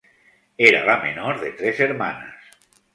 Era la menor de tres hermanas.